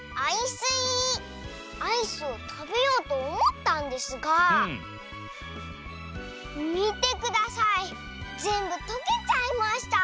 スイアイスをたべようとおもったんですがみてくださいぜんぶとけちゃいました。